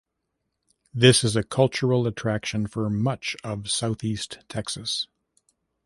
This is a cultural attraction for much of Southeast Texas.